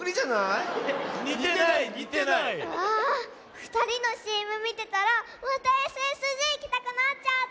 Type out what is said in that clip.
ふたりのＣＭみてたらまたＳＳＪいきたくなっちゃった。